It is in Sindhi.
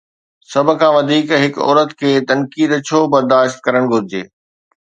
سڀ کان وڌيڪ، هڪ عورت کي تنقيد ڇو برداشت ڪرڻ گهرجي؟